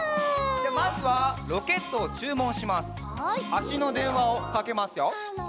あしのでんわをかけますよ。